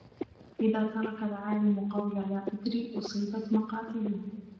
إذَا تَرَكَ الْعَالِمُ قَوْلَ لَا أَدْرِي أُصِيبَتْ مَقَاتِلُهُ